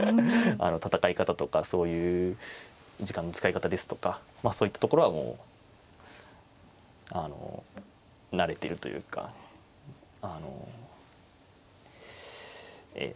戦い方とかそういう時間の使い方ですとかそういったところはもう慣れてるというかあのええ。